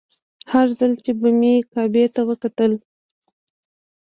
هر ځل چې به مې کعبې ته وکتل.